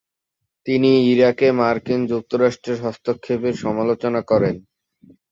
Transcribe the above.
তিনি ইরাকে মার্কিন যুক্তরাষ্ট্রের হস্তক্ষেপের সমালোচনা করেন।